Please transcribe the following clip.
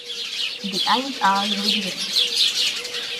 The eyes are ruby red.